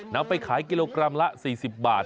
นำไปขายกิโลกรัมละ๔๐บาท